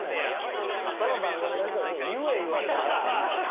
この番組の人に「言え」言われたの。